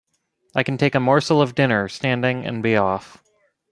I can take a morsel of dinner standing and be off.